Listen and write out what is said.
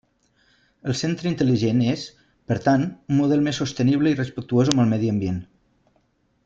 El centre intel·ligent és, per tant, un model més sostenible i respectuós amb el medi ambient.